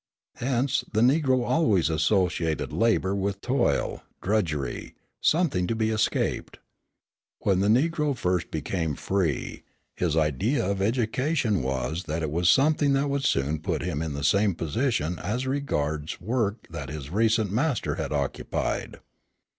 Hence the Negro always associated labour with toil, drudgery, something to be escaped. When the Negro first became free, his idea of education was that it was something that would soon put him in the same position as regards work that his recent master had occupied.